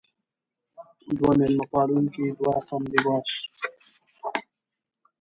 دوه میلمه پالونکې دوه رقم لباس.